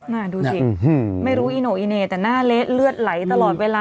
น่ะดูสิไม่รู้อีโน่อีเหน่แต่หน้าเละเลือดไหลตลอดเวลา